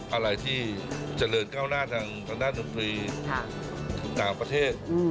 อะไรที่เจริญก้าวหน้าทางด้านดนตรีต่างประเทศ